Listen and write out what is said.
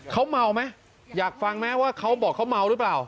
เขาเมาไหมอยากฟังไหมว่าเขาบอกเขาเมาหรือเปล่า